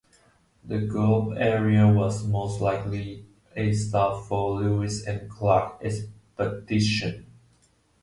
The Goble area was most likely a stop for the Lewis and Clark Expedition.